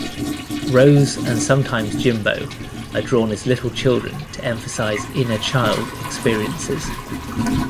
Rose and sometimes Jimbo are drawn as little children to emphasize "inner child" experiences.